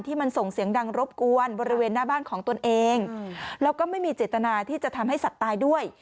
มันส่งเสียงดังรบกวนบริเวณหน้าบ้านของตนเองแล้วก็ไม่มีเจตนาที่จะทำให้สัตว์ตายด้วย